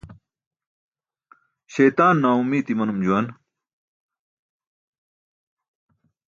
Śaytaan naaomiit imanum juwan.